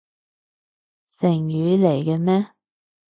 成語嚟嘅咩？